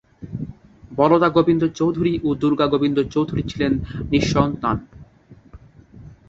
বরদা গোবিন্দ চৌধুরী ও দুর্গা গোবিন্দ চৌধুরী ছিলেন নিঃসন্তান।